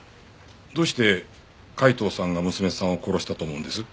どうして海東さんが娘さんを殺したと思うんです？